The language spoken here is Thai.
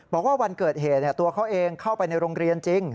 บอกว่าวันเกิดเหตุตัวเขาเองเข้าไปในโรงเรียนจริง